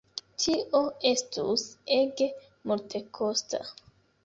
Tio estus ege multekosta.